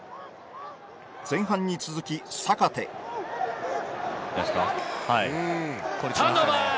前半に続き坂手ターンオーバー！